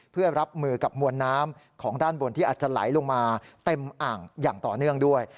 เพื่อรับมือกับมวลน้ำของด้านบนที่อาจจะไหลลงมาเต็มอ่างอย่างต่อเนื่องด้วย